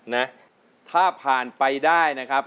นะถ้าผ่านไปได้นะครับ